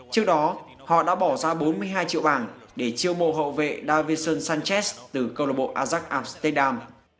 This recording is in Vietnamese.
trước đó họ đã bỏ ra bốn mươi hai triệu bảng để chiêu bộ hậu vệ davison sanchez từ club ajax amsterdam